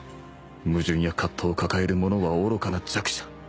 矛盾や葛藤を抱える者は愚かな弱者